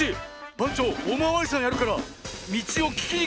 ばんちょうおまわりさんやるからみちをききにきてごらん。